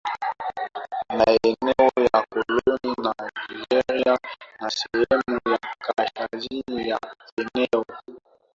maeneo ya koloni la Nigeria na sehemu ya kaskazini ya eneo